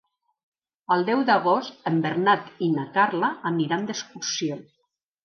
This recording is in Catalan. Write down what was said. El deu d'agost en Bernat i na Carla aniran d'excursió.